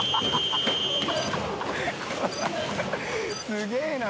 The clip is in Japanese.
すげえな！